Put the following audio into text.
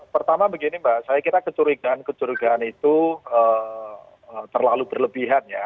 pertama begini mbak saya kira kecurigaan kecurigaan itu terlalu berlebihan ya